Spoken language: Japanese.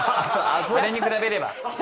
あれに比べれば。